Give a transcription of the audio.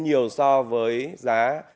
nhiều so với giá